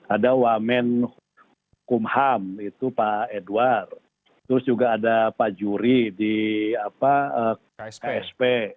ada wamen kumham itu pak edward terus juga ada pak juri di ksp